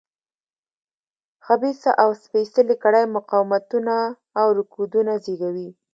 خبیثه او سپېڅلې کړۍ مقاومتونه او رکودونه زېږوي.